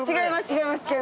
違います。